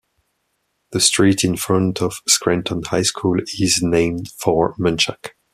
The street in front of Scranton High School is named for Munchak.